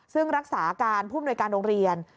ซึ่งรักษาการผู้มนวยการโรงเรียน